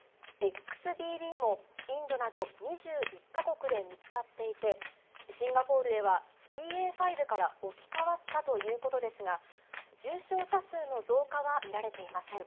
ＸＢＢも、インドなど２１か国で見つかっていて、シンガポールではＢＡ．５から置き換わったということですが、重症者数の増加は見られていません。